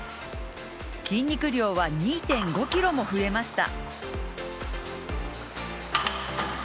筋肉量は、２．５ｋｇも増えました。